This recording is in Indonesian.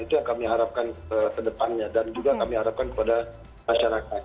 itu yang kami harapkan ke depannya dan juga kami harapkan kepada masyarakat